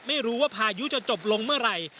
ไม่รู้ว่าพายุจะจบลงเมื่อไหร่